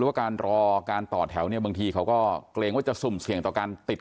ว่าการรอการต่อแถวเนี่ยบางทีเขาก็เกรงว่าจะสุ่มเสี่ยงต่อการติด